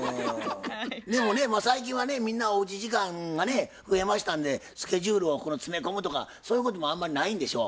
でもね最近はねみんなおうち時間がね増えましたんでスケジュールをこの詰め込むとかそういうこともあんまりないんでしょ？